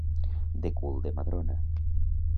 De cul de madrona.